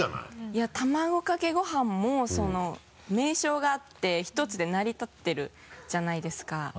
いや卵かけご飯も名称があって１つで成り立ってるじゃないですか。